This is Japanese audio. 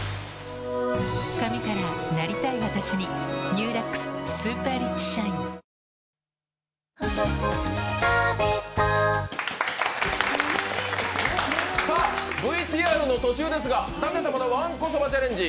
ニトリＶＴＲの途中ですが、舘様のわんこそばチャレンジ。